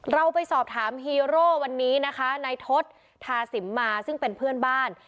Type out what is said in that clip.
เราไปสอบถามฮีโร่วันนี้นะคะนายทศธาสิมมาซึ่งเป็นเพื่อนบ้าน